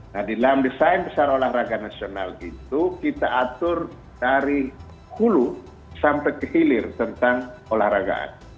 nah di dalam desain besar olahraga nasional itu kita atur dari hulu sampai ke hilir tentang olahragaan